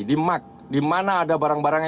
dimak di mana ada barang barang